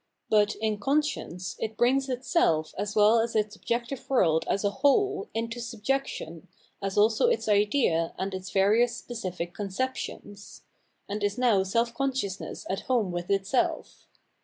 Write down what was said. But in Consciem,^^ brings itself as well as its objective world ^ a 688 PJienommology of MM into subjection, as also its idea * and its various specific conceptions ; f and is now self consciousness at Lome with itself.